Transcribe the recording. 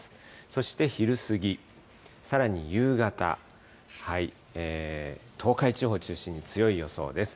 そして昼過ぎ、さらに夕方、東海地方中心に強い予想です。